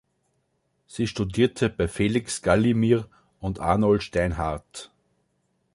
Sie studierte bei Felix Galimir und Arnold Steinhardt.